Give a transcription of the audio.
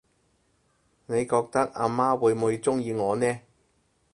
你覺得阿媽會唔會鍾意我呢？